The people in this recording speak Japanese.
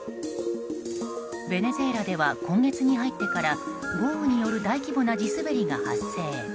ベネズエラでは今月に入ってから豪雨による大規模な地滑りが発生。